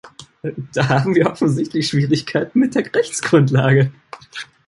Da haben wir offensichtlich Schwierigkeiten mit der Rechtsgrundlage.